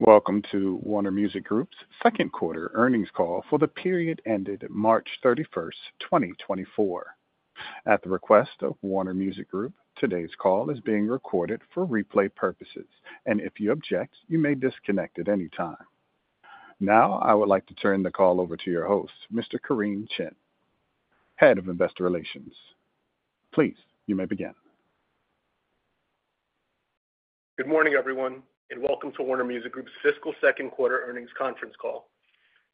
Welcome to Warner Music Group's second quarter earnings call for the period ended March 31st, 2024. At the request of Warner Music Group, today's call is being recorded for replay purposes, and if you object, you may disconnect at any time. Now I would like to turn the call over to your host, Mr. Kareem Chin, Head of Investor Relations. Please, you may begin. Good morning, everyone, and welcome to Warner Music Group's fiscal second quarter earnings conference call.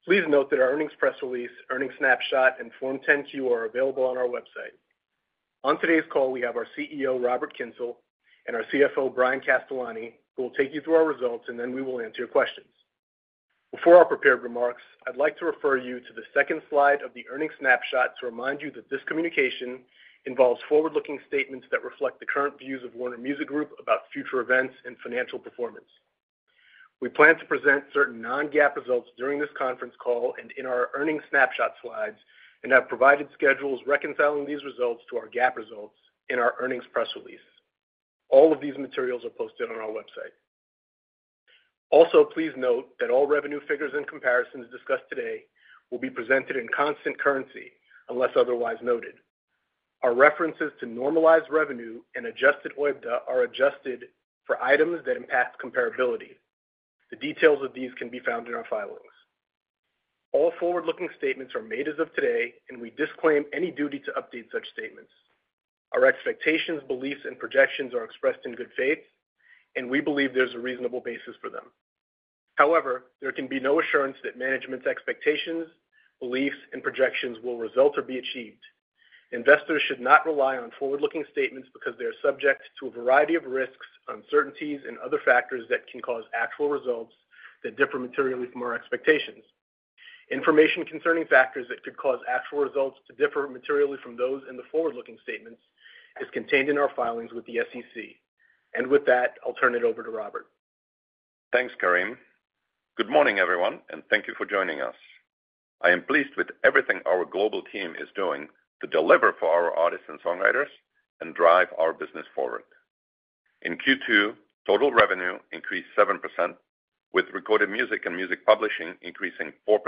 Please note that our earnings press release, earnings snapshot, and Form 10-Q are available on our website. On today's call, we have our CEO, Robert Kyncl, and our CFO, Bryan Castellani, who will take you through our results, and then we will answer your questions. Before our prepared remarks, I'd like to refer you to the second slide of the earnings snapshot to remind you that this communication involves forward-looking statements that reflect the current views of Warner Music Group about future events and financial performance. We plan to present certain non-GAAP results during this conference call and in our earnings snapshot slides and have provided schedules reconciling these results to our GAAP results in our earnings press release. All of these materials are posted on our website. Also, please note that all revenue figures and comparisons discussed today will be presented in constant currency unless otherwise noted. Our references to normalized revenue and adjusted OIBDA are adjusted for items that impact comparability. The details of these can be found in our filings. All forward-looking statements are made as of today, and we disclaim any duty to update such statements. Our expectations, beliefs, and projections are expressed in good faith, and we believe there's a reasonable basis for them. However, there can be no assurance that management's expectations, beliefs, and projections will result or be achieved. Investors should not rely on forward-looking statements because they are subject to a variety of risks, uncertainties, and other factors that can cause actual results that differ materially from our expectations. Information concerning factors that could cause actual results to differ materially from those in the forward-looking statements is contained in our filings with the SEC. With that, I'll turn it over to Robert. Thanks, Kareem. Good morning, everyone, and thank you for joining us. I am pleased with everything our global team is doing to deliver for our artists and songwriters and drive our business forward. In Q2, total revenue increased 7%, with recorded music and music publishing increasing 4%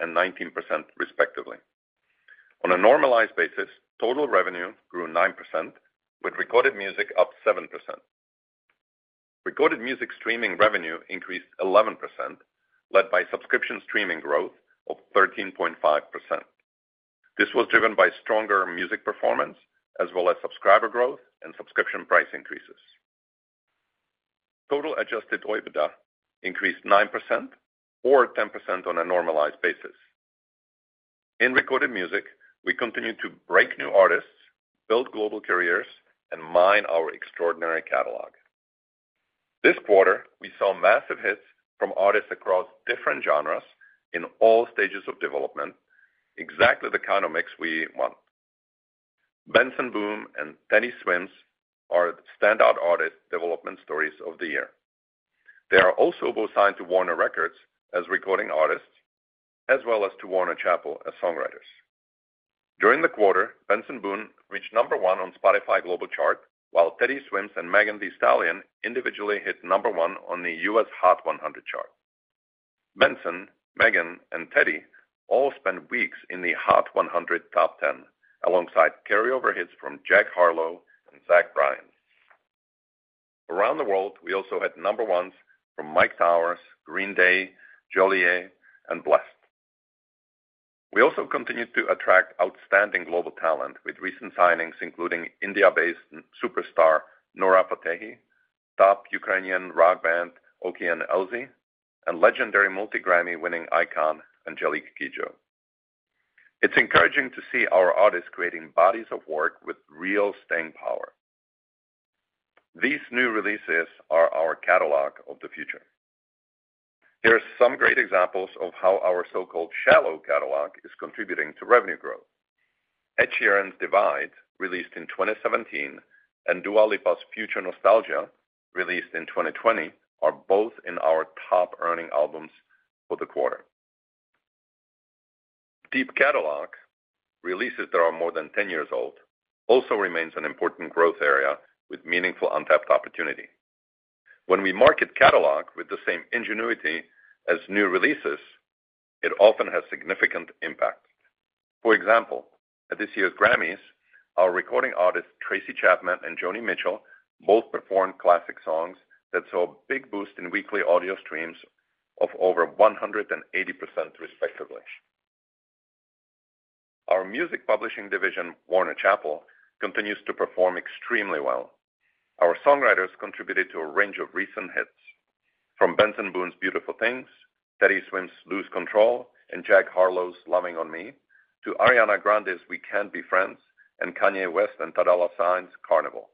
and 19%, respectively. On a normalized basis, total revenue grew 9%, with recorded music up 7%. Recorded music streaming revenue increased 11%, led by subscription streaming growth of 13.5%. This was driven by stronger music performance as well as subscriber growth and subscription price increases. Total adjusted OIBDA increased 9% or 10% on a normalized basis. In recorded music, we continue to break new artists, build global careers, and mine our extraordinary catalog. This quarter, we saw massive hits from artists across different genres in all stages of development, exactly the kind of mix we want. Benson Boone and Teddy Swims are standout artist development stories of the year. They are also both signed to Warner Records as recording artists, as well as to Warner Chappell as songwriters. During the quarter, Benson Boone reached number one on Spotify Global Chart, while Teddy Swims and Megan Thee Stallion individually hit number one on the U.S. Hot 100 chart. Benson, Megan, and Teddy all spent weeks in the Hot 100 top 10 alongside carryover hits from Jack Harlow and Zach Bryan. Around the world, we also had number ones from Myke Towers, Green Day, Jolie, and Blessd. We also continue to attract outstanding global talent with recent signings including India-based superstar Nora Fatehi, top Ukrainian rock band Okean Elzy, and legendary multi-Grammy-winning icon Angélique Kidjo. It's encouraging to see our artists creating bodies of work with real staying power. These new releases are our catalog of the future. Here are some great examples of how our so-called shallow catalog is contributing to revenue growth. Ed Sheeran's Divide, released in 2017, and Dua Lipa's Future Nostalgia, released in 2020, are both in our top earning albums for the quarter. Deep Catalog, releases that are more than 10 years old, also remains an important growth area with meaningful untapped opportunity. When we market catalog with the same ingenuity as new releases, it often has significant impact. For example, at this year's Grammys, our recording artists Tracy Chapman and Joni Mitchell both performed classic songs that saw a big boost in weekly audio streams of over 180%, respectively. Our music publishing division, Warner Chappell, continues to perform extremely well. Our songwriters contributed to a range of recent hits, from Benson Boone's Beautiful Things, Teddy Swims' Lose Control, and Jack Harlow's Loving On Me, to Ariana Grande's We Can't Be Friends and Kanye West and Ty Dolla $ign's Carnival.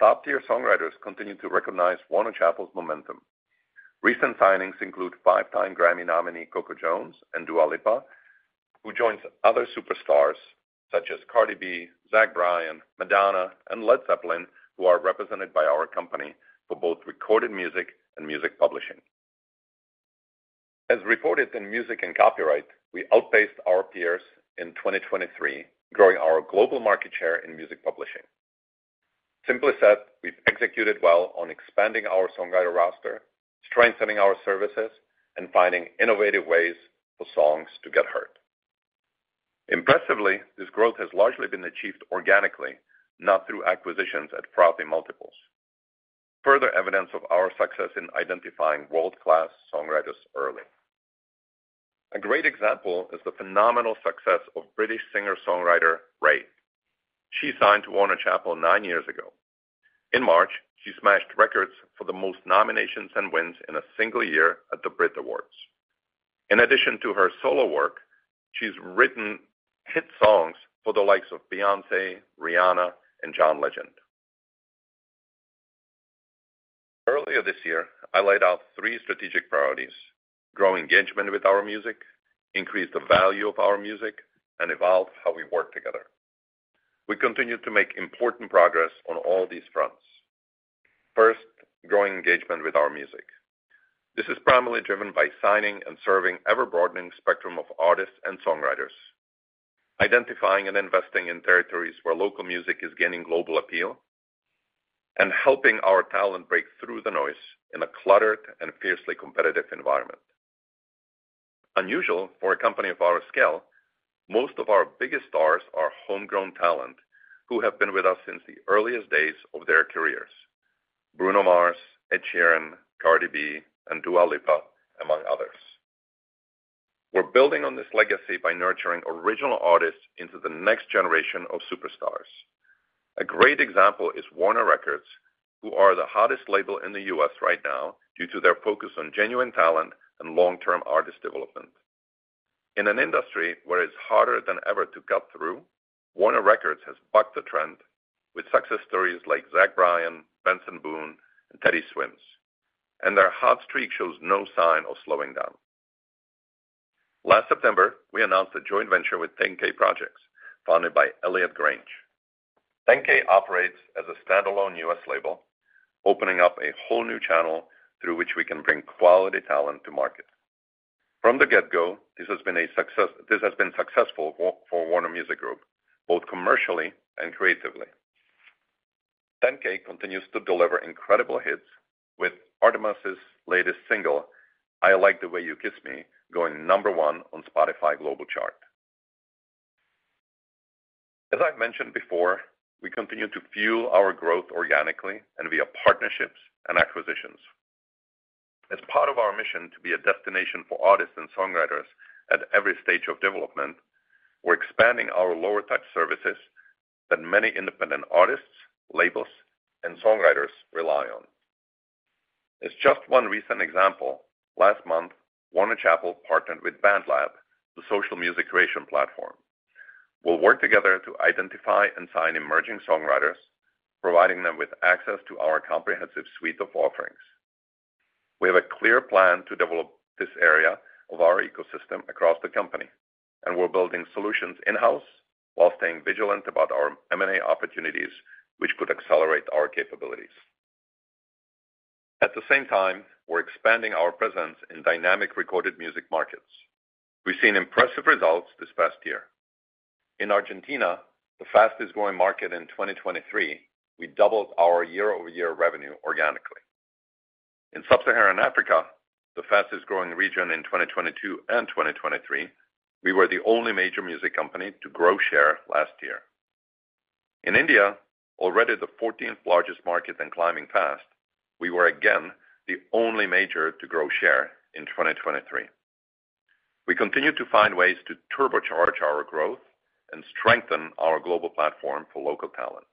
Top-tier songwriters continue to recognize Warner Chappell's momentum. Recent signings include five-time Grammy nominee Coco Jones and Dua Lipa, who joins other superstars such as Cardi B, Zach Bryan, Madonna, and Led Zeppelin, who are represented by our company for both recorded music and music publishing. As reported in Music and Copyright, we outpaced our peers in 2023, growing our global market share in music publishing. Simply said, we've executed well on expanding our songwriter roster, strengthening our services, and finding innovative ways for songs to get heard. Impressively, this growth has largely been achieved organically, not through acquisitions at frothy multiples. Further evidence of our success in identifying world-class songwriters early. A great example is the phenomenal success of British singer-songwriter RAYE. She signed to Warner Chappell nine years ago. In March, she smashed records for the most nominations and wins in a single year at the Brit Awards. In addition to her solo work, she's written hit songs for the likes of Beyoncé, Rihanna, and John Legend. Earlier this year, I laid out three strategic priorities: grow engagement with our music, increase the value of our music, and evolve how we work together. We continue to make important progress on all these fronts. First, growing engagement with our music. This is primarily driven by signing and serving ever-broadening spectrum of artists and songwriters, identifying and investing in territories where local music is gaining global appeal, and helping our talent break through the noise in a cluttered and fiercely competitive environment. Unusual for a company of our scale, most of our biggest stars are homegrown talent who have been with us since the earliest days of their careers: Bruno Mars, Ed Sheeran, Cardi B, and Dua Lipa, among others. We're building on this legacy by nurturing original artists into the next generation of superstars. A great example is Warner Records, who are the hottest label in the U.S. right now due to their focus on genuine talent and long-term artist development. In an industry where it's harder than ever to cut through, Warner Records has bucked the trend with success stories like Zach Bryan, Benson Boone, and Teddy Swims, and their hot streak shows no sign of slowing down. Last September, we announced a joint venture with 10K Projects, founded by Elliot Grange. 10K operates as a standalone U.S. label, opening up a whole new channel through which we can bring quality talent to market. From the get-go, this has been a success. This has been successful for Warner Music Group, both commercially and creatively. 10K continues to deliver incredible hits with Artemas's latest single, I Like the Way You Kiss Me, going number one on Spotify Global Chart. As I've mentioned before, we continue to fuel our growth organically and via partnerships and acquisitions. As part of our mission to be a destination for artists and songwriters at every stage of development, we're expanding our lower-touch services that many independent artists, labels, and songwriters rely on. As just one recent example, last month, Warner Chappell partnered with BandLab, the social music creation platform. We'll work together to identify and sign emerging songwriters, providing them with access to our comprehensive suite of offerings. We have a clear plan to develop this area of our ecosystem across the company, and we're building solutions in-house while staying vigilant about our M&A opportunities, which could accelerate our capabilities. At the same time, we're expanding our presence in dynamic recorded music markets. We've seen impressive results this past year. In Argentina, the fastest-growing market in 2023, we doubled our year-over-year revenue organically. In Sub-Saharan Africa, the fastest-growing region in 2022 and 2023, we were the only major music company to grow share last year. In India, already the 14th largest market and climbing past, we were again the only major to grow share in 2023. We continue to find ways to turbocharge our growth and strengthen our global platform for local talent.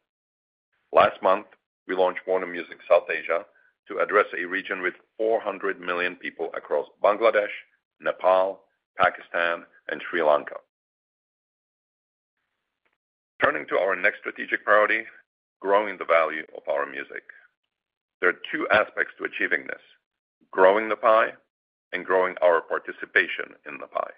Last month, we launched Warner Music South Asia to address a region with 400 million people across Bangladesh, Nepal, Pakistan, and Sri Lanka. Turning to our next strategic priority, growing the value of our music. There are two aspects to achieving this: growing the pie and growing our participation in the pie.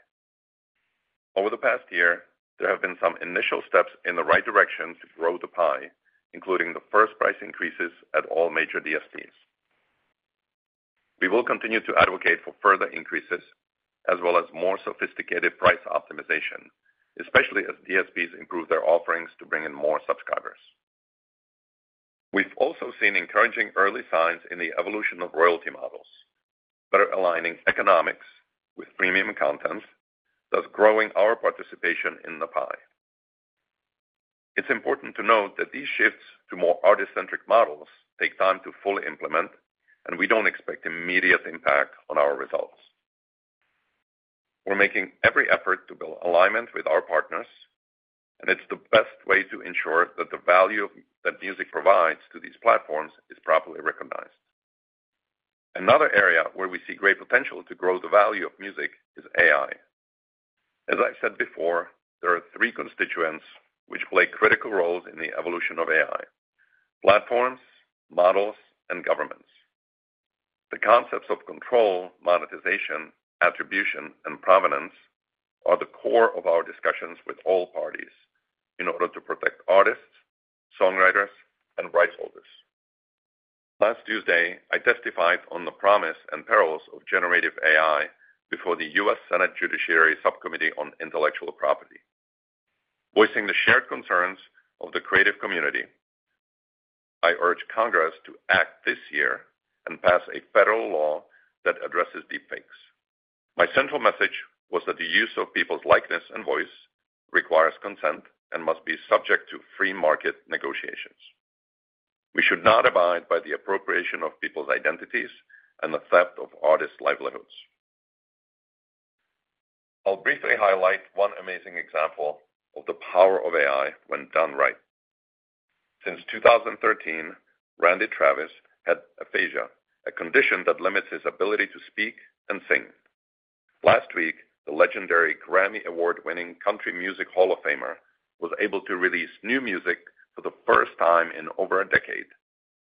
Over the past year, there have been some initial steps in the right direction to grow the pie, including the first price increases at all major DSPs. We will continue to advocate for further increases as well as more sophisticated price optimization, especially as DSPs improve their offerings to bring in more subscribers. We've also seen encouraging early signs in the evolution of royalty models that are aligning economics with premium content, thus growing our participation in the pie. It's important to note that these shifts to more artist-centric models take time to fully implement, and we don't expect immediate impact on our results. We're making every effort to build alignment with our partners, and it's the best way to ensure that the value that music provides to these platforms is properly recognized. Another area where we see great potential to grow the value of music is AI. As I've said before, there are three constituents which play critical roles in the evolution of AI: platforms, models, and governments. The concepts of control, monetization, attribution, and provenance are the core of our discussions with all parties in order to protect artists, songwriters, and rights holders. Last Tuesday, I testified on the promise and perils of generative AI before the U.S. Senate Judiciary Subcommittee on Intellectual Property. Voicing the shared concerns of the creative community, I urged Congress to act this year and pass a federal law that addresses deepfakes. My central message was that the use of people's likeness and voice requires consent and must be subject to free market negotiations. We should not abide by the appropriation of people's identities and the theft of artists' livelihoods. I'll briefly highlight one amazing example of the power of AI when done right. Since 2013, Randy Travis had aphasia, a condition that limits his ability to speak and sing. Last week, the legendary Grammy Award-winning Country Music Hall of Famer was able to release new music for the first time in over a decade,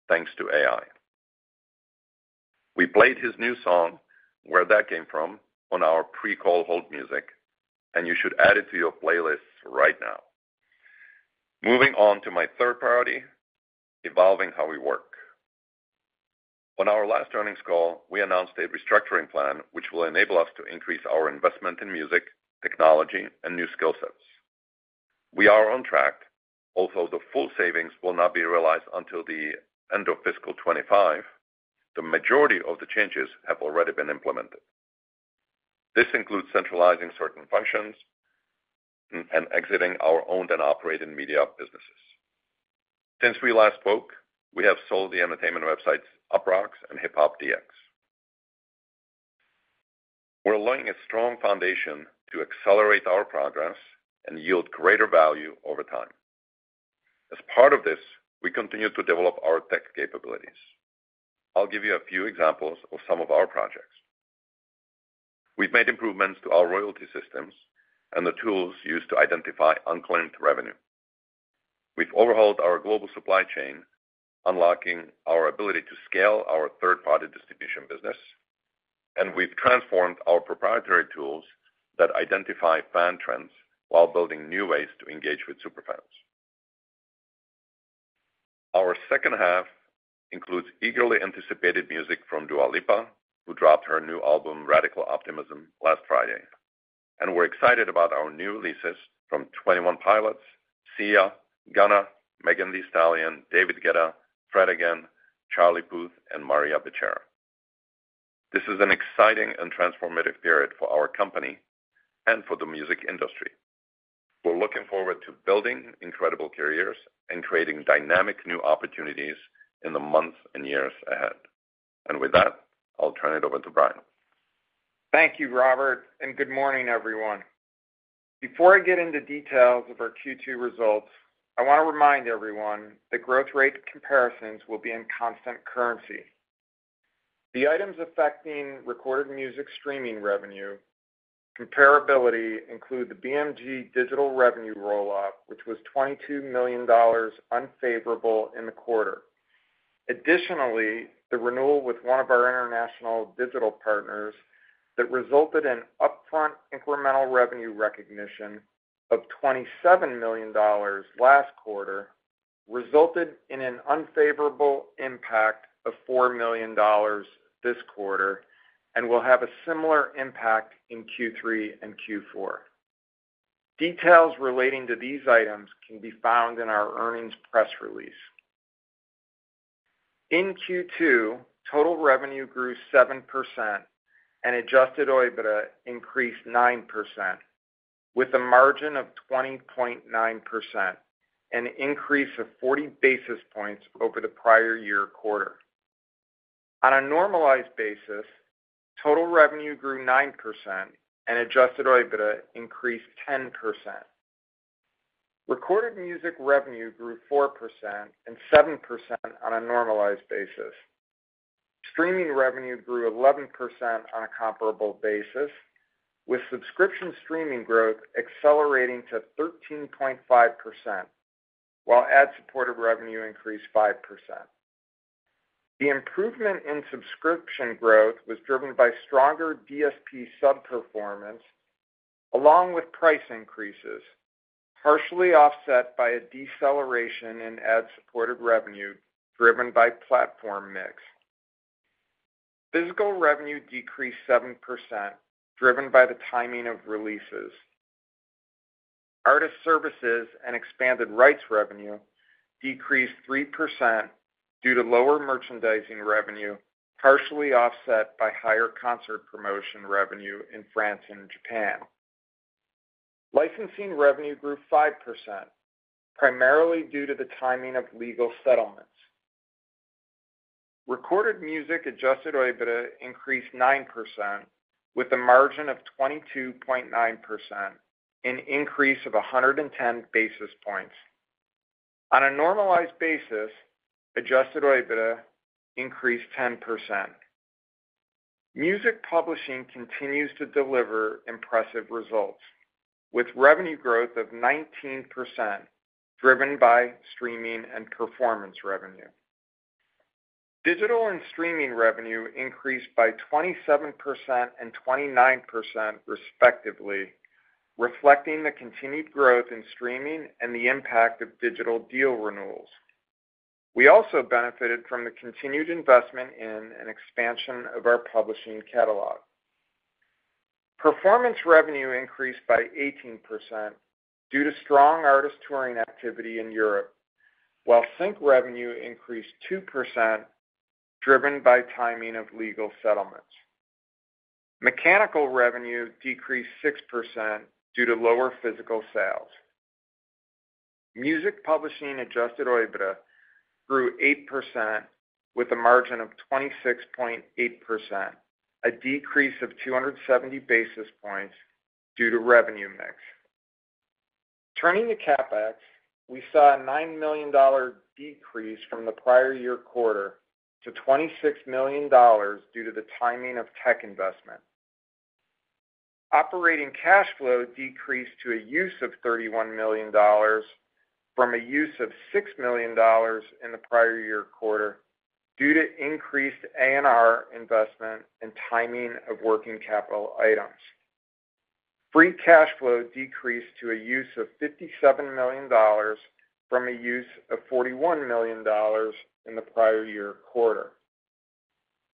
thanks to AI. We played his new song, Where That Came From, on our pre-call hold music, and you should add it to your playlist right now. Moving on to my third priority, evolving how we work. On our last earnings call, we announced a restructuring plan which will enable us to increase our investment in music, technology, and new skill sets. We are on track, although the full savings will not be realized until the end of fiscal 2025. The majority of the changes have already been implemented. This includes centralizing certain functions and exiting our owned and operated media businesses. Since we last spoke, we have sold the entertainment websites Uproxx and HipHopDX. We're laying a strong foundation to accelerate our progress and yield greater value over time. As part of this, we continue to develop our tech capabilities. I'll give you a few examples of some of our projects. We've made improvements to our royalty systems and the tools used to identify unclaimed revenue. We've overhauled our global supply chain, unlocking our ability to scale our third-party distribution business, and we've transformed our proprietary tools that identify fan trends while building new ways to engage with superfans. Our second half includes eagerly anticipated music from Dua Lipa, who dropped her new album, Radical Optimism, last Friday, and we're excited about our new releases from 21 Pilots, Sia, Gunna, Megan Thee Stallion, David Guetta, Fred again.., Charlie Puth, and Maria Becerra. This is an exciting and transformative period for our company and for the music industry. We're looking forward to building incredible careers and creating dynamic new opportunities in the months and years ahead. With that, I'll turn it over to Bryan. Thank you, Robert, and good morning, everyone. Before I get into details of our Q2 results, I want to remind everyone that growth rate comparisons will be in constant currency. The items affecting recorded music streaming revenue comparability include the BMG digital revenue roll-up, which was $22 million unfavorable in the quarter. Additionally, the renewal with one of our international digital partners that resulted in upfront incremental revenue recognition of $27 million last quarter resulted in an unfavorable impact of $4 million this quarter and will have a similar impact in Q3 and Q4. Details relating to these items can be found in our earnings press release. In Q2, total revenue grew 7% and adjusted OIBDA increased 9%, with a margin of 20.9%, an increase of 40 basis points over the prior year quarter. On a normalized basis, total revenue grew 9% and adjusted OIBDA increased 10%. Recorded Music revenue grew 4% and 7% on a normalized basis. Streaming revenue grew 11% on a comparable basis, with subscription streaming growth accelerating to 13.5% while ad-supported revenue increased 5%. The improvement in subscription growth was driven by stronger DSP subperformance along with price increases, partially offset by a deceleration in ad-supported revenue driven by platform mix. Physical revenue decreased 7% driven by the timing of releases. Artist Services and expanded rights revenue decreased 3% due to lower merchandising revenue, partially offset by higher concert promotion revenue in France and Japan. Licensing revenue grew 5%, primarily due to the timing of legal settlements. Recorded Music adjusted OIBDA increased 9%, with a margin of 22.9%, an increase of 110 basis points. On a normalized basis, adjusted OIBDA increased 10%. Music Publishing continues to deliver impressive results, with revenue growth of 19% driven by streaming and performance revenue. Digital and streaming revenue increased by 27% and 29% respectively, reflecting the continued growth in streaming and the impact of digital deal renewals. We also benefited from the continued investment in an expansion of our publishing catalog. Performance revenue increased by 18% due to strong artist touring activity in Europe, while sync revenue increased 2% driven by timing of legal settlements. Mechanical revenue decreased 6% due to lower physical sales. Music publishing adjusted OIBDA grew 8%, with a margin of 26.8%, a decrease of 270 basis points due to revenue mix. Turning to CapEx, we saw a $9 million decrease from the prior year quarter to $26 million due to the timing of tech investment. Operating cash flow decreased to a use of $31 million from a use of $6 million in the prior year quarter due to increased A&R investment and timing of working capital items. Free cash flow decreased to a use of $57 million from a use of $41 million in the prior year quarter.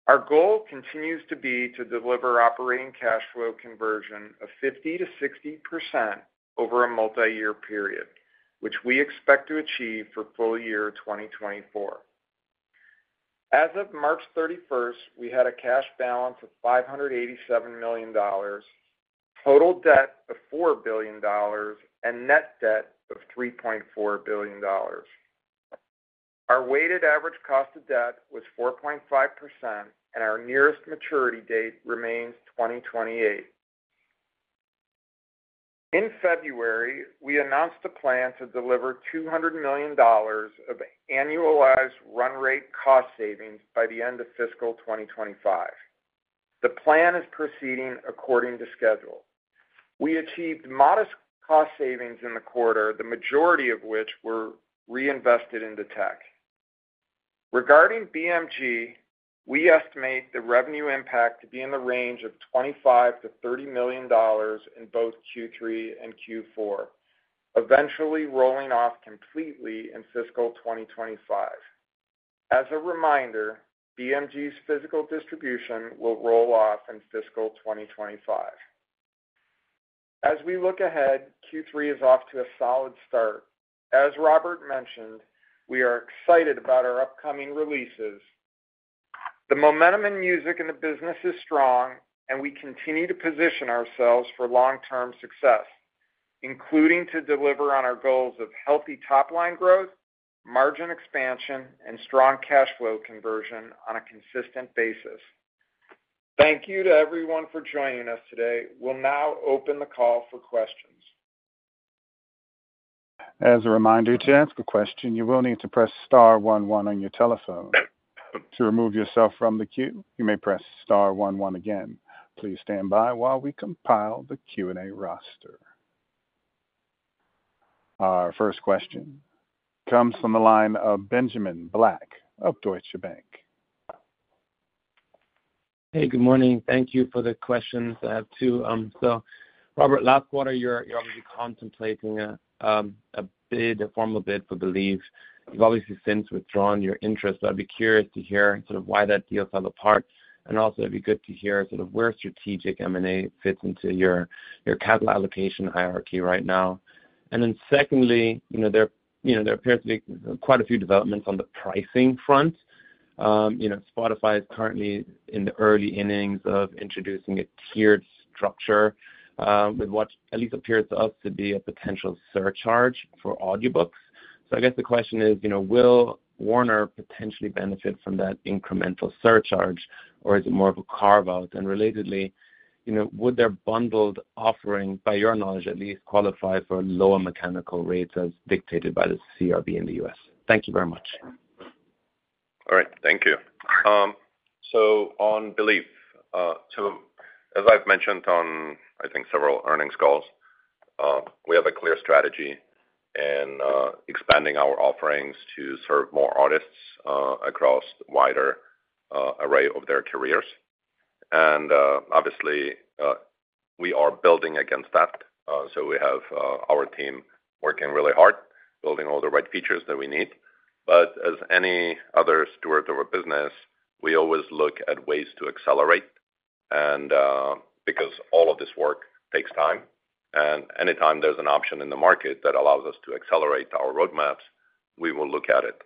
Our goal continues to be to deliver operating cash flow conversion of 50%-60% over a multi-year period, which we expect to achieve for full year 2024. As of March 31st, we had a cash balance of $587 million, total debt of $4 billion, and net debt of $3.4 billion. Our weighted average cost of debt was 4.5%, and our nearest maturity date remains 2028. In February, we announced a plan to deliver $200 million of annualized run-rate cost savings by the end of fiscal 2025. The plan is proceeding according to schedule. We achieved modest cost savings in the quarter, the majority of which were reinvested into tech. Regarding BMG, we estimate the revenue impact to be in the range of $25-$30 million in both Q3 and Q4, eventually rolling off completely in fiscal 2025. As a reminder, BMG's physical distribution will roll off in fiscal 2025. As we look ahead, Q3 is off to a solid start. As Robert mentioned, we are excited about our upcoming releases. The momentum in music and the business is strong, and we continue to position ourselves for long-term success, including to deliver on our goals of healthy top-line growth, margin expansion, and strong cash flow conversion on a consistent basis. Thank you to everyone for joining us today. We'll now open the call for questions. As a reminder, to ask a question, you will need to press star 11 on your telephone. To remove yourself from the queue, you may press star 11 again. Please stand by while we compile the Q&A roster. Our first question comes from the line of Benjamin Black of Deutsche Bank. Hey, good morning. Thank you for the questions. I have two. So, Robert, last quarter, you're obviously contemplating a bid, a formal bid for Believe. You've obviously since withdrawn your interest, but I'd be curious to hear sort of why that deal fell apart. And also, it'd be good to hear sort of where strategic M&A fits into your capital allocation hierarchy right now. And then secondly, there appears to be quite a few developments on the pricing front. Spotify is currently in the early innings of introducing a tiered structure with what at least appears to us to be a potential surcharge for audiobooks. So I guess the question is, will Warner potentially benefit from that incremental surcharge, or is it more of a carve-out? And relatedly, would their bundled offering, by your knowledge at least, qualify for lower mechanical rates as dictated by the CRB in the U.S.? Thank you very much. All right. Thank you. So on Believe, as I've mentioned on, I think, several earnings calls, we have a clear strategy in expanding our offerings to serve more artists across a wider array of their careers. And obviously, we are building against that. So we have our team working really hard, building all the right features that we need. But as any other steward of a business, we always look at ways to accelerate. And because all of this work takes time, and anytime there's an option in the market that allows us to accelerate our roadmaps, we will look at it.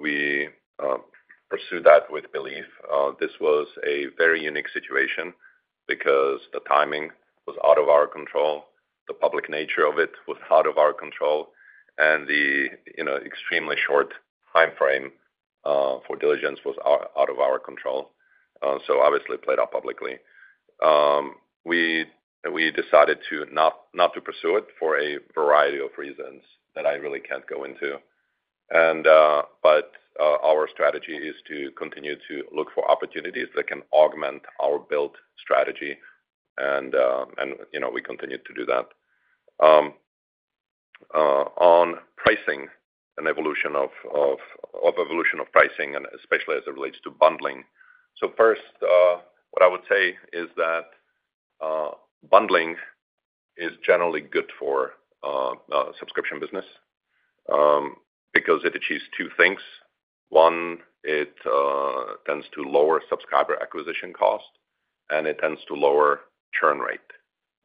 We pursue that with Believe. This was a very unique situation because the timing was out of our control, the public nature of it was out of our control, and the extremely short timeframe for diligence was out of our control. So obviously, it played out publicly. We decided not to pursue it for a variety of reasons that I really can't go into. But our strategy is to continue to look for opportunities that can augment our built strategy, and we continue to do that. On pricing, an evolution of pricing, and especially as it relates to bundling. So first, what I would say is that bundling is generally good for subscription business because it achieves two things. One, it tends to lower subscriber acquisition cost, and it tends to lower churn rate.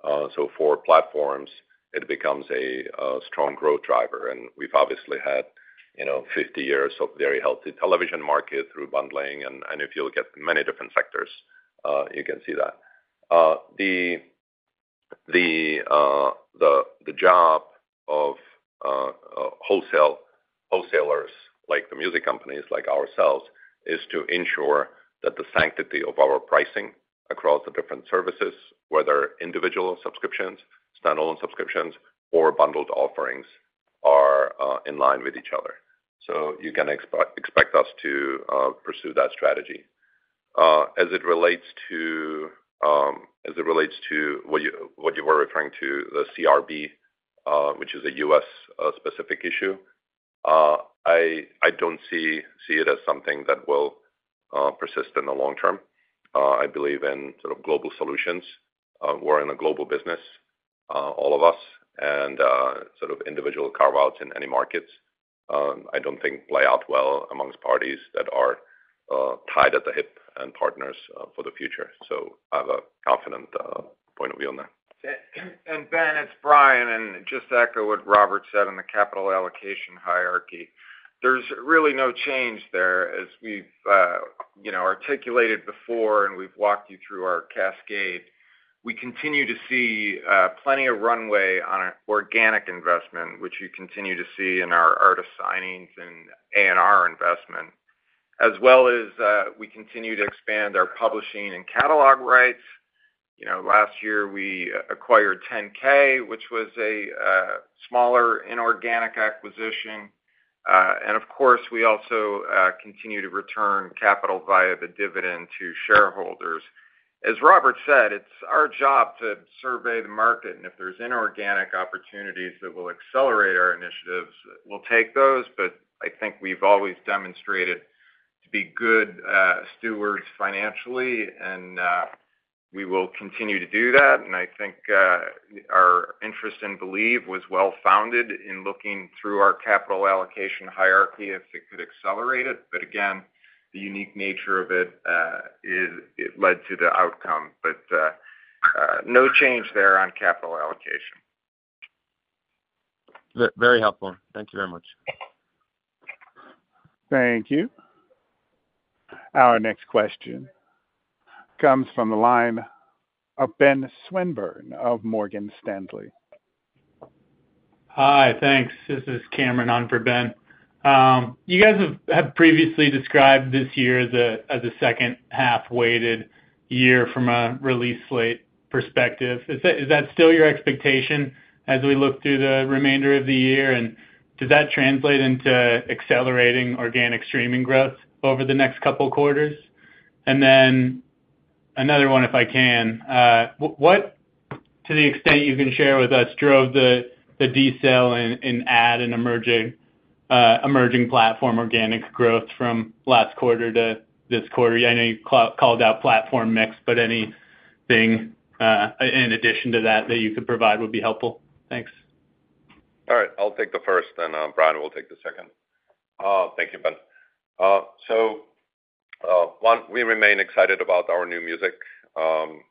So for platforms, it becomes a strong growth driver. And we've obviously had 50 years of very healthy television market through bundling. And if you look at many different sectors, you can see that. The job of wholesalers like the music companies like ourselves is to ensure that the sanctity of our pricing across the different services, whether individual subscriptions, standalone subscriptions, or bundled offerings, are in line with each other. So you can expect us to pursue that strategy. As it relates to what you were referring to, the CRB, which is a U.S.-specific issue, I don't see it as something that will persist in the long term. I believe in sort of global solutions. We're in a global business, all of us, and sort of individual carve-outs in any markets, I don't think, play out well amongst parties that are tied at the hip and partners for the future. So I have a confident point of view on that. Ben, it's Bryan. Just to echo what Robert said on the capital allocation hierarchy, there's really no change there. As we've articulated before, and we've walked you through our cascade, we continue to see plenty of runway on organic investment, which you continue to see in our artist signings and A&R investment, as well as we continue to expand our publishing and catalog rights. Last year, we acquired 10K, which was a smaller inorganic acquisition. Of course, we also continue to return capital via the dividend to shareholders. As Robert said, it's our job to survey the market. If there's inorganic opportunities that will accelerate our initiatives, we'll take those. But I think we've always demonstrated to be good stewards financially, and we will continue to do that. I think our interest in Believe was well-founded in looking through our capital allocation hierarchy if it could accelerate it. Again, the unique nature of it led to the outcome. No change there on capital allocation. Very helpful. Thank you very much. Thank you. Our next question comes from the line of Ben Swinburne of Morgan Stanley. Hi. Thanks. This is Cameron on for Ben. You guys have previously described this year as a second-half weighted year from a release slate perspective. Is that still your expectation as we look through the remainder of the year? And does that translate into accelerating organic streaming growth over the next couple of quarters? And then another one, if I can, to the extent you can share with us, drove the decel in adds on emerging platform organic growth from last quarter to this quarter? I know you called out platform mix, but anything in addition to that that you could provide would be helpful. Thanks. All right. I'll take the first, and Bryan will take the second. Thank you, Ben. So one, we remain excited about our new music. We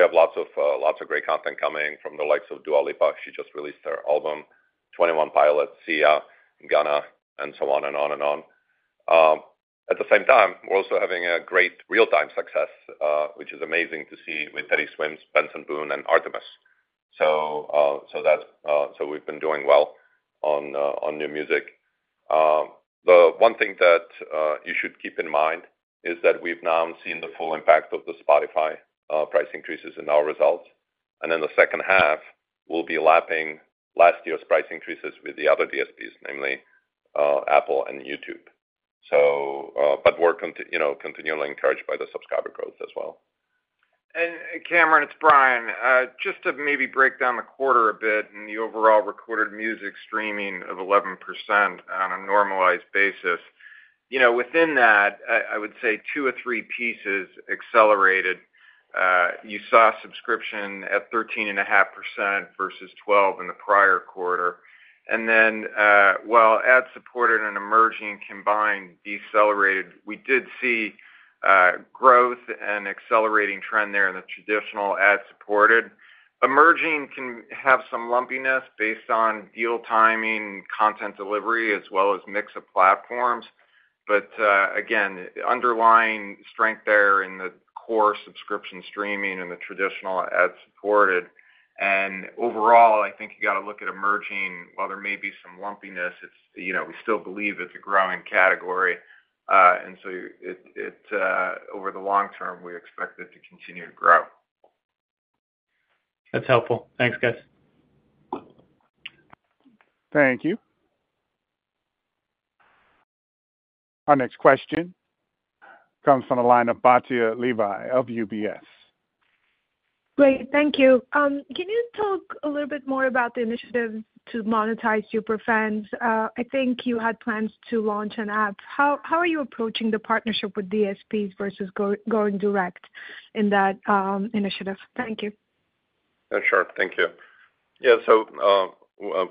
have lots of great content coming from the likes of Dua Lipa. She just released her album, 21 Pilots, Sia, Gunna, and so on and on and on. At the same time, we're also having a great real-time success, which is amazing to see with Teddy Swims, Benson Boone, and Artemas. So we've been doing well on new music. The one thing that you should keep in mind is that we've now seen the full impact of the Spotify price increases in our results. And then the second half will be lapping last year's price increases with the other DSPs, namely Apple and YouTube, but continually encouraged by the subscriber growth as well. Cameron, it's Bryan. Just to maybe break down the quarter a bit and the overall recorded music streaming of 11% on a normalized basis, within that, I would say two or three pieces accelerated. You saw subscription at 13.5% versus 12% in the prior quarter. Then while ad-supported and emerging combined decelerated, we did see growth and accelerating trend there in the traditional ad-supported. Emerging can have some lumpiness based on deal timing, content delivery, as well as mix of platforms. But again, underlying strength there in the core subscription streaming and the traditional ad-supported. Overall, I think you got to look at emerging. While there may be some lumpiness, we still believe it's a growing category. So over the long term, we expect it to continue to grow. That's helpful. Thanks, guys. Thank you. Our next question comes from the line of Batya Levi of UBS. Great. Thank you. Can you talk a little bit more about the initiatives to monetize Superfans? I think you had plans to launch an app. How are you approaching the partnership with DSPs versus going direct in that initiative? Thank you. Sure. Thank you. Yeah. So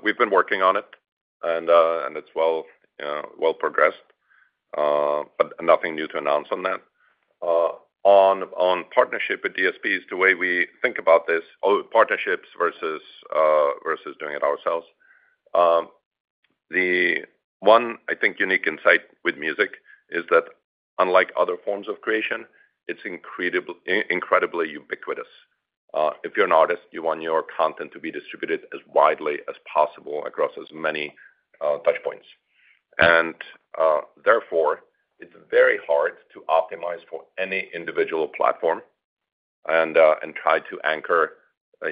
we've been working on it, and it's well-progressed, but nothing new to announce on that. On partnership with DSPs, the way we think about this, partnerships versus doing it ourselves, the one, I think, unique insight with music is that unlike other forms of creation, it's incredibly ubiquitous. If you're an artist, you want your content to be distributed as widely as possible across as many touchpoints. And therefore, it's very hard to optimize for any individual platform and try to anchor a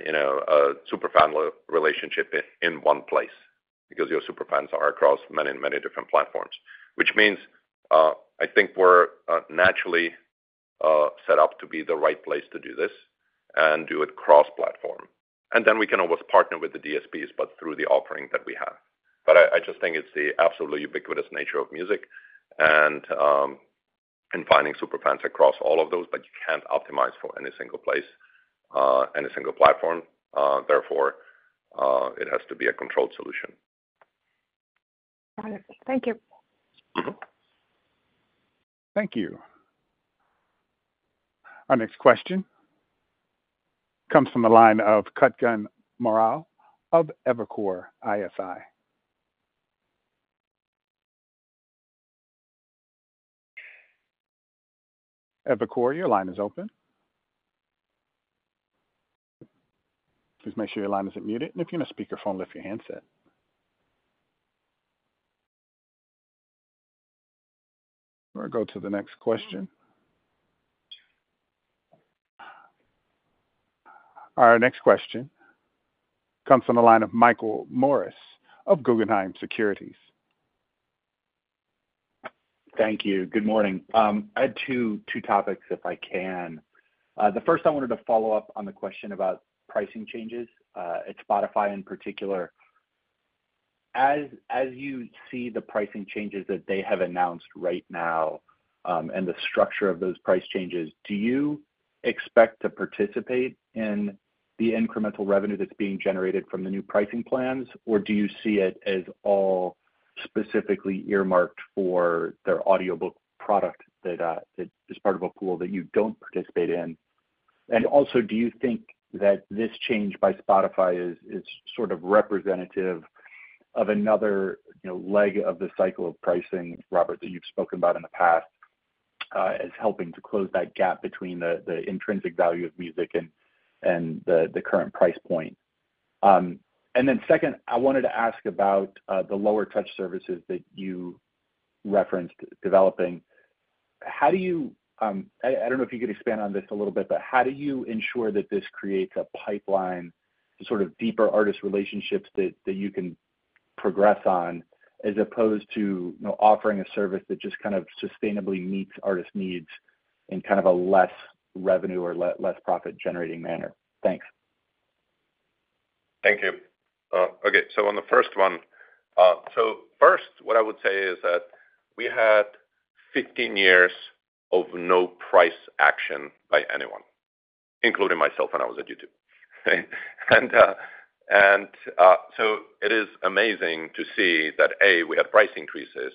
Superfan relationship in one place because your Superfans are across many and many different platforms, which means I think we're naturally set up to be the right place to do this and do it cross-platform. And then we can always partner with the DSPs, but through the offering that we have. But I just think it's the absolutely ubiquitous nature of music and finding Superfans across all of those, but you can't optimize for any single place, any single platform. Therefore, it has to be a controlled solution. Wonderful. Thank you. Thank you. Our next question comes from the line of Kutgun Maral of Evercore ISI. Evercore, your line is open. Please make sure your line isn't muted. And if you're on a speakerphone, lift your handset. We'll go to the next question. Our next question comes from the line of Michael Morris of Guggenheim Securities. Thank you. Good morning. I had two topics, if I can. The first, I wanted to follow up on the question about pricing changes at Spotify in particular. As you see the pricing changes that they have announced right now and the structure of those price changes, do you expect to participate in the incremental revenue that's being generated from the new pricing plans, or do you see it as all specifically earmarked for their audiobook product that is part of a pool that you don't participate in? And also, do you think that this change by Spotify is sort of representative of another leg of the cycle of pricing, Robert, that you've spoken about in the past, as helping to close that gap between the intrinsic value of music and the current price point? Then second, I wanted to ask about the lower touch services that you referenced developing. I don't know if you could expand on this a little bit, but how do you ensure that this creates a pipeline to sort of deeper artist relationships that you can progress on as opposed to offering a service that just kind of sustainably meets artist needs in kind of a less revenue or less profit-generating manner? Thanks. Thank you. Okay. So on the first one, so first, what I would say is that we had 15 years of no price action by anyone, including myself when I was at YouTube. And so it is amazing to see that, A, we had price increases,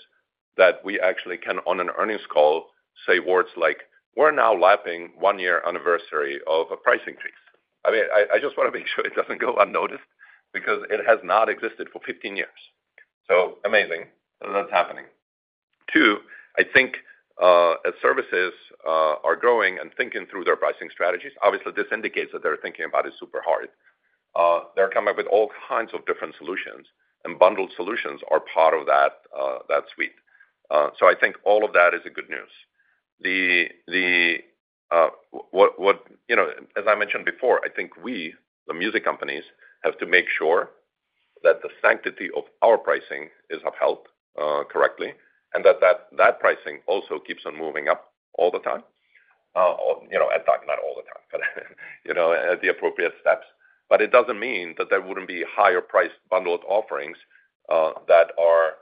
that we actually can, on an earnings call, say words like, "We're now lapping one-year anniversary of a price increase." I mean, I just want to make sure it doesn't go unnoticed because it has not existed for 15 years. So amazing that that's happening. Two, I think as services are growing and thinking through their pricing strategies, obviously, this indicates that they're thinking about it super hard. They're coming up with all kinds of different solutions, and bundled solutions are part of that suite. So I think all of that is good news. As I mentioned before, I think we, the music companies, have to make sure that the sanctity of our pricing is upheld correctly and that that pricing also keeps on moving up all the time at that, not all the time, but at the appropriate steps. But it doesn't mean that there wouldn't be higher-priced bundled offerings that are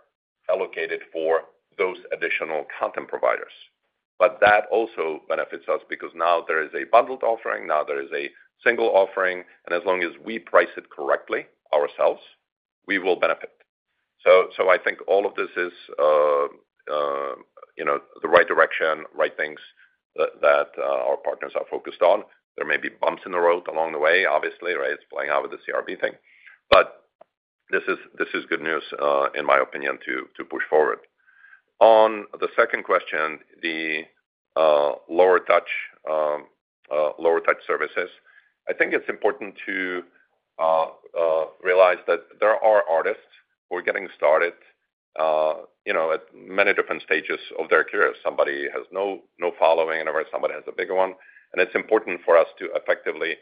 allocated for those additional content providers. But that also benefits us because now there is a bundled offering. Now there is a single offering. And as long as we price it correctly ourselves, we will benefit. So I think all of this is the right direction, right things that our partners are focused on. There may be bumps in the road along the way, obviously, right? It's playing out with the CRB thing. But this is good news, in my opinion, to push forward. On the second question, the lower touch services, I think it's important to realize that there are artists who are getting started at many different stages of their career. Somebody has no following, and somebody has a bigger one. And it's important for us to effectively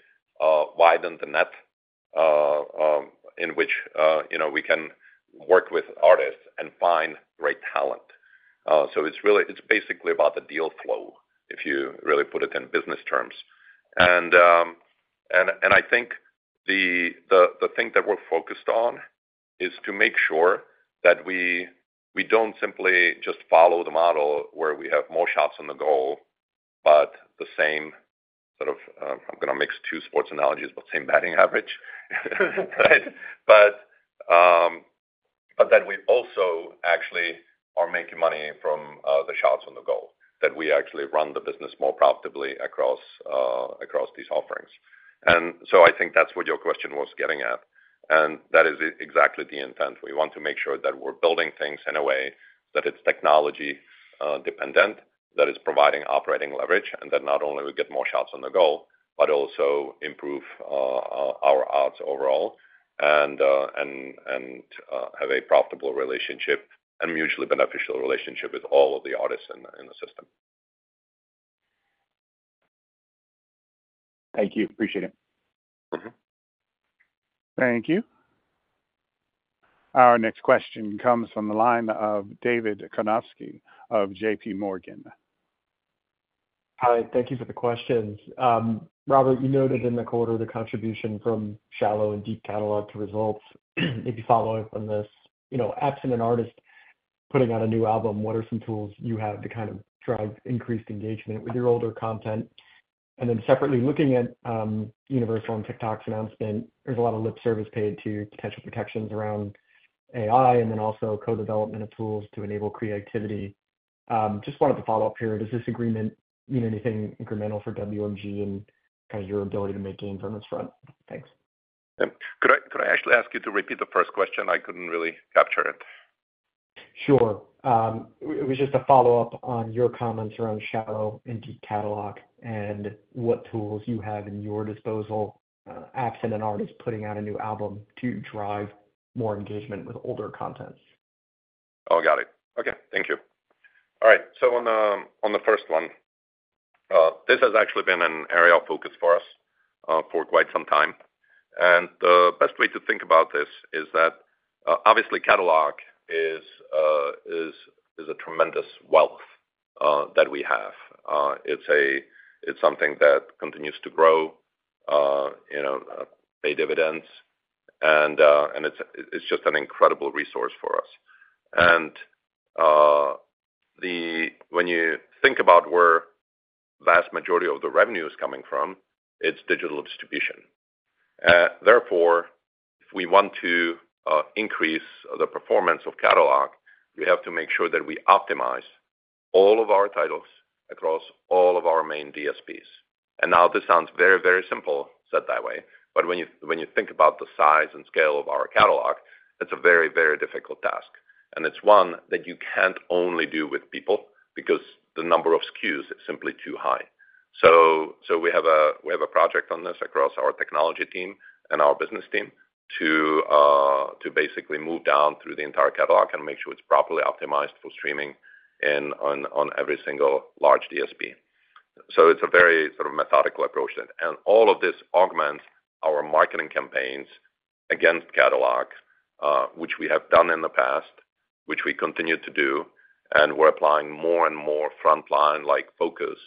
widen the net in which we can work with artists and find great talent. So it's basically about the deal flow, if you really put it in business terms. And I think the thing that we're focused on is to make sure that we don't simply just follow the model where we have more shots on the goal but the same sort of, I'm going to mix two sports analogies, but, same batting average, right? But that we also actually are making money from the shots on the goal, that we actually run the business more profitably across these offerings. I think that's what your question was getting at. That is exactly the intent. We want to make sure that we're building things in a way that it's technology-dependent, that it's providing operating leverage, and that not only we get more shots on the goal but also improve our odds overall and have a profitable relationship and mutually beneficial relationship with all of the artists in the system. Thank you. Appreciate it. Thank you. Our next question comes from the line of David Karnovsky of J.P. Morgan. Hi. Thank you for the questions. Robert, you noted in the quarter the contribution from shallow and deep catalog to results. Maybe following from this, absent an artist putting out a new album, what are some tools you have to kind of drive increased engagement with your older content? And then separately, looking at Universal and TikTok's announcement, there's a lot of lip service paid to potential protections around AI and then also co-development of tools to enable creativity. Just wanted to follow up here. Does this agreement mean anything incremental for WMG and kind of your ability to make gains on this front? Thanks. Could I actually ask you to repeat the first question? I couldn't really capture it. Sure. It was just a follow-up on your comments around shallow and deep catalog and what tools you have in your disposal, absent an artist putting out a new album, to drive more engagement with older content? Oh, got it. Okay. Thank you. All right. So on the first one, this has actually been an area of focus for us for quite some time. And the best way to think about this is that, obviously, catalog is a tremendous wealth that we have. It's something that continues to grow, pay dividends, and it's just an incredible resource for us. And when you think about where the vast majority of the revenue is coming from, it's digital distribution. Therefore, if we want to increase the performance of catalog, we have to make sure that we optimize all of our titles across all of our main DSPs. And now this sounds very, very simple said that way. But when you think about the size and scale of our catalog, it's a very, very difficult task. It's one that you can't only do with people because the number of SKUs is simply too high. So we have a project on this across our technology team and our business team to basically move down through the entire catalog and make sure it's properly optimized for streaming on every single large DSP. So it's a very sort of methodical approach. And all of this augments our marketing campaigns against catalog, which we have done in the past, which we continue to do. And we're applying more and more frontline focus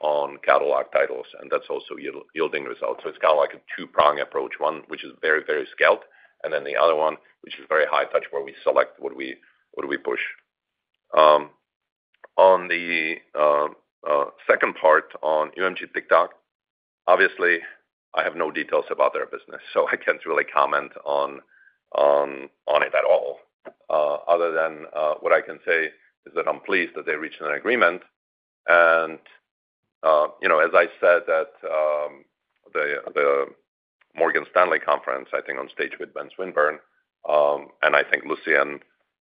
on catalog titles, and that's also yielding results. So it's kind of like a two-pronged approach, one, which is very, very scaled, and then the other one, which is very high-touch, where we select what we push. On the second part, on UMG TikTok, obviously, I have no details about their business, so I can't really comment on it at all other than what I can say is that I'm pleased that they reached an agreement. I said at the Morgan Stanley conference, I think on stage with Ben Swinburne, and I think Lucian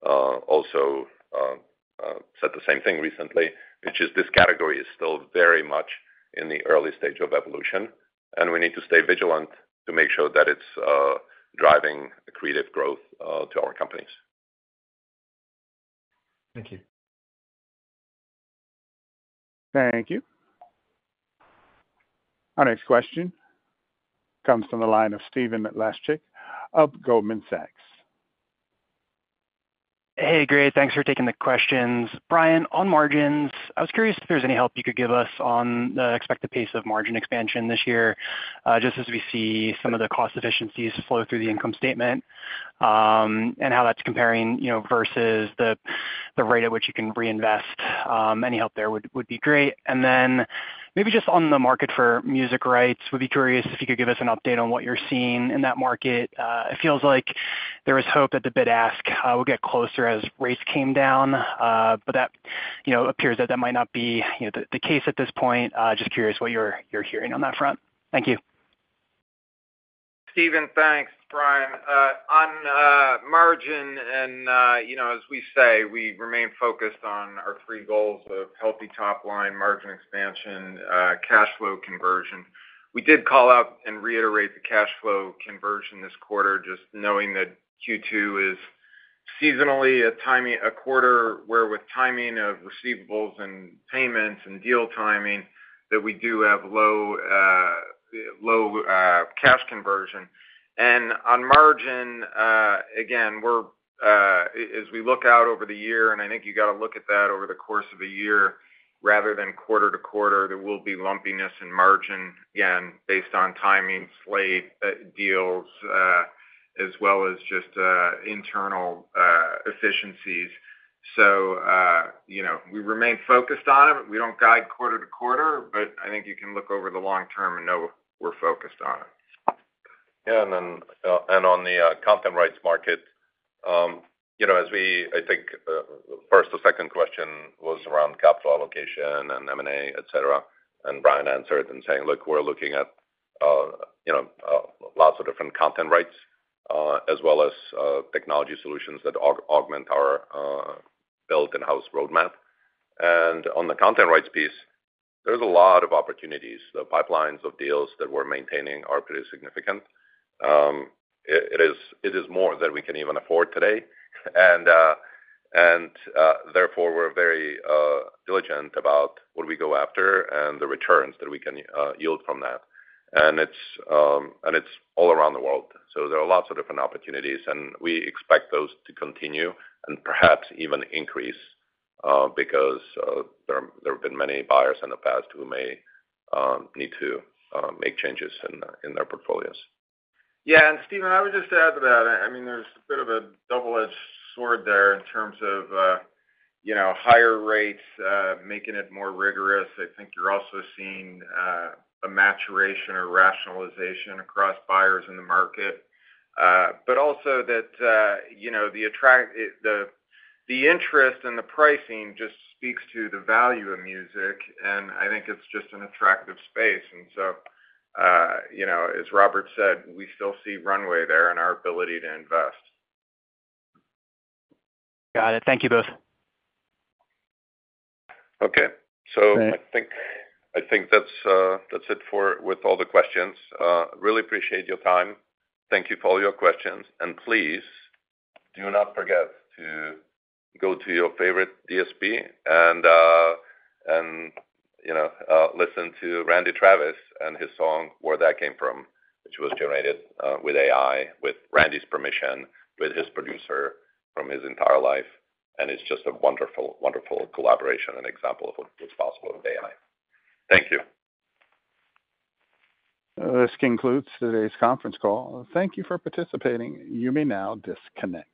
also said the same thing recently, which is this category is still very much in the early stage of evolution, and we need to stay vigilant to make sure that it's driving creative growth to our companies. Thank you. Thank you. Our next question comes from the line of Stephen Laszczyk of Goldman Sachs. Hey, great. Thanks for taking the questions. Bryan, on margins, I was curious if there's any help you could give us on the expected pace of margin expansion this year just as we see some of the cost efficiencies flow through the income statement and how that's comparing versus the rate at which you can reinvest. Any help there would be great. And then maybe just on the market for music rights, we'd be curious if you could give us an update on what you're seeing in that market. It feels like there was hope that the bid-ask would get closer as rates came down, but that appears that that might not be the case at this point. Just curious what you're hearing on that front. Thank you. Stephen, thanks, Bryan. On margin, and as we say, we remain focused on our three goals of healthy topline margin expansion, cash flow conversion. We did call out and reiterate the cash flow conversion this quarter just knowing that Q2 is seasonally a quarter where with timing of receivables and payments and deal timing, that we do have low cash conversion. And on margin, again, as we look out over the year, and I think you got to look at that over the course of a year rather than quarter to quarter, there will be lumpiness in margin, again, based on timing, slate deals, as well as just internal efficiencies. So we remain focused on it. We don't guide quarter to quarter, but I think you can look over the long term and know we're focused on it. Yeah. On the content rights market, as we—I think the first or second question was around capital allocation and M&A, etc., and Bryan answered and saying, "Look, we're looking at lots of different content rights as well as technology solutions that augment our build-in-house roadmap." On the content rights piece, there's a lot of opportunities. The pipelines of deals that we're maintaining are pretty significant. It is more than we can even afford today. Therefore, we're very diligent about what we go after and the returns that we can yield from that. It's all around the world. So there are lots of different opportunities, and we expect those to continue and perhaps even increase because there have been many buyers in the past who may need to make changes in their portfolios. Yeah. And Steven, I would just add to that. I mean, there's a bit of a double-edged sword there in terms of higher rates making it more rigorous. I think you're also seeing a maturation or rationalization across buyers in the market, but also that the interest in the pricing just speaks to the value of music. And I think it's just an attractive space. And so, as Robert said, we still see runway there in our ability to invest. Got it. Thank you both. Okay. So I think that's it with all the questions. Really appreciate your time. Thank you for all your questions. Please do not forget to go to your favorite DSP and listen to Randy Travis and his song, "Where That Came From," which was generated with AI, with Randy's permission, with his producer from his entire life. It's just a wonderful, wonderful collaboration and example of what's possible with AI. Thank you. This concludes today's conference call. Thank you for participating. You may now disconnect.